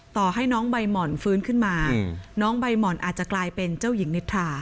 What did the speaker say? ต่อให้น้องใบหม่อนฟื้นขึ้นมาน้องใบหม่อนอาจจะกลายเป็นเจ้าหญิงนิทรา